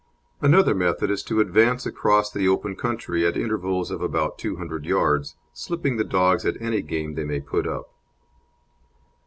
Another method is to advance across the open country at intervals of about two hundred yards, slipping the dogs at any game they may put up.